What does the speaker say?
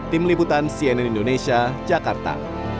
tim liputan cnn indonesia jakarta